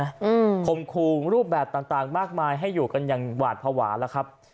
อืมคมคูงรูปแบบต่างต่างมากมายให้อยู่กันอย่างหวาดภาวะแล้วครับ